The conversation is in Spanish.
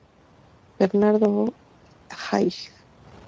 Bernardo O' Higgins